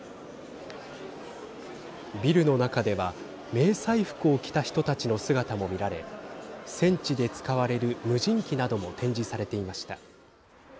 ビルの中では迷彩服を着た人たちの姿も見られ戦地で使われる無人機なども展示されていました。